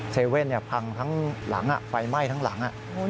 เว่นพังทั้งหลังไฟไหม้ทั้งหลัง